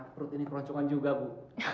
perut ini kerocongan juga bu